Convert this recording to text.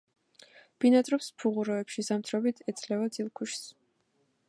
ბინადრობს ფუღუროებში, ზამთრობით ეძლევა ძილქუშს.